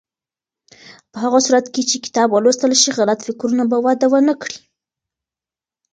په هغه صورت کې چې کتاب ولوستل شي، غلط فکرونه به وده ونه کړي.